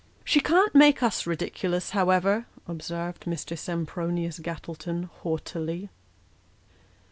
" She can't make us ridiculous, however," observed Mr. Sempronius Gattleton, haughtily.